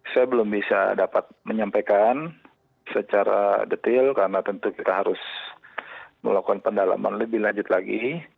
saya belum bisa dapat menyampaikan secara detail karena tentu kita harus melakukan pendalaman lebih lanjut lagi